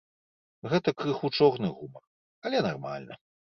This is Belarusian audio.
Гэта крыху чорны гумар, але нармальна.